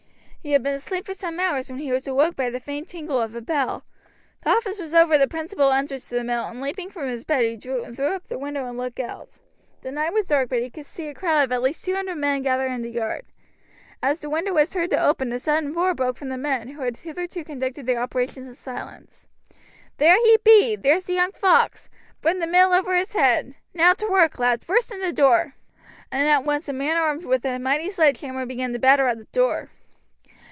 He had been asleep for some hours when he was awoke by the faint tingle of a bell. The office was over the principal entrance to the mill, and leaping from his bed he threw up the window and looked out. The night was dark, but he could see a crowd of at least two hundred men gathered in the yard. As the window was heard to open a sudden roar broke from the men, who had hitherto conducted their operations in silence. "There he be, there's the young fox; burn the mill over his head. Now to work, lads, burst in the door." And at once a man armed with a mighty sledgehammer began to batter at the door.